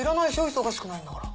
忙しくないんだから。